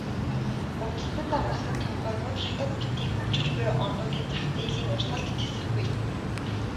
Үндэстэн дамнасан компаниуд Хятад мэтийн хөгжиж буй орнуудын зах зээлийн урсгалд тэсэхгүй.